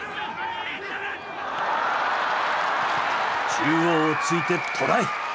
中央を突いてトライ！